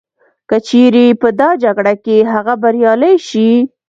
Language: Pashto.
که چیري په دا جګړه کي هغه بریالی سي